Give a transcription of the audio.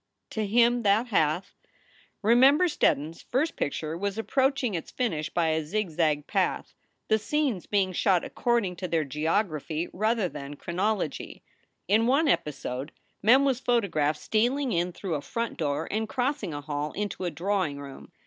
To him that hath Remember Steddon s first picture was approaching its finish by a zigzag path, the scenes being shot according to their geography rather than chronology. In one episode Mem was photographed stealing in through a front door and crossing a hall into a drawing room.